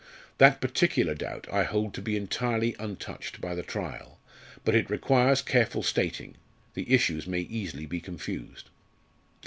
That particular doubt I hold to be entirely untouched by the trial; but it requires careful stating the issues may easily be confused."